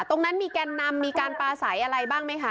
ตรงนั้นมีแก่นำมีการป้า๑๙๙๔มีการป่าสายไหมค่ะ